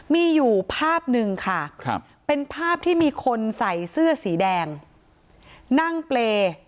มีอยู่ภาพหนึ่งค่ะเป็นภาพที่มีคนใส่เสื้อสีแดงนั่งเปรย์